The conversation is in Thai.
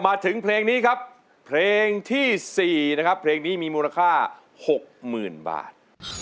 มาถึงเพลงนี้ครับเพลงที่๔นะครับเพลงนี้มีมูลค่า๖๐๐๐บาท